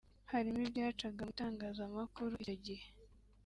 Harimo ibyacaga mu itangazamakuru icyo gihe